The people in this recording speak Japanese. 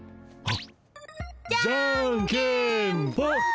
あっ！